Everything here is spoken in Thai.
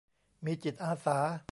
มีจิตอาสา